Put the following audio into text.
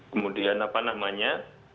kemudian apa namanya